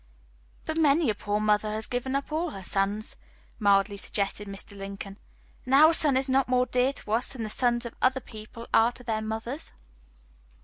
"But many a poor mother has given up all her sons," mildly suggested Mr. Lincoln, "and our son is not more dear to us than the sons of other people are to their mothers."